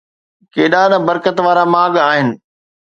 ڪيڏا نه برڪت وارا ماڳ آهن